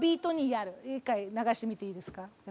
一回流してみていいですか。